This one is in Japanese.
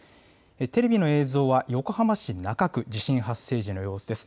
テレビの映像は横浜市中区、地震発生時の様子です。